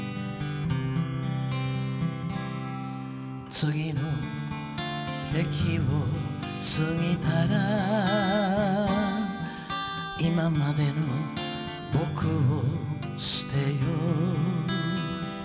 「次の駅を過ぎたら今までの僕を棄てよう」